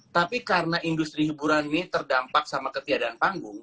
tapi karena industri hiburan ini terdampak sama ketiadaan panggung